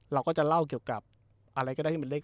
เราก็จะเล่าเกี่ยวกับอะไรก็ได้ที่มันเลข